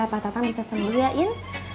pak tatang bisa sembuh ya in